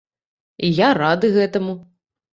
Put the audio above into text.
І я рады гэтаму.